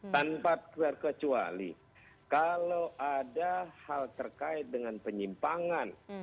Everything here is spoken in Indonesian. tanpa terkecuali kalau ada hal terkait dengan penyimpangan